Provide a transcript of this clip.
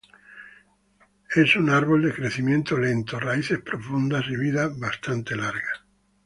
Es un árbol de crecimiento lento, raíces profundas y vida bastante larga.